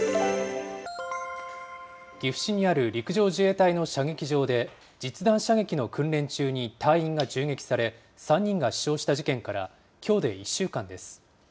岐阜市にある陸上自衛隊の射撃場で、実弾射撃の訓練中に隊員が銃撃され、３人が死傷した事件からきょうで１週間です。